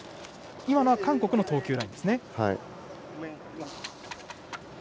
今のは韓国の投球ですね。